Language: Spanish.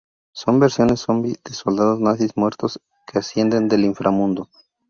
Son versiones zombie de soldados nazis muertos que ascienden del inframundo.